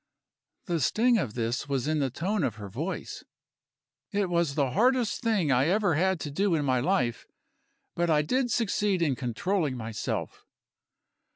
The sting of this was in the tone of her voice. It was the hardest thing I ever had to do in my life but I did succeed in controlling myself.